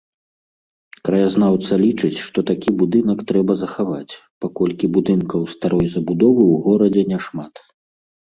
Краязнаўца лічыць, што такі будынак трэба захаваць, паколькі будынкаў старой забудовы ў горадзе няшмат.